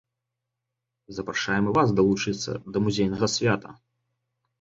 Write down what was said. Запрашаем і вас далучыцца да музейнага свята!